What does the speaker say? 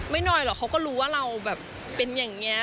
หน่อยหรอกเขาก็รู้ว่าเราแบบเป็นอย่างนี้